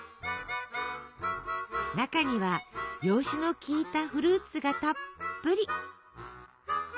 中には洋酒の効いたフルーツがたっぷり！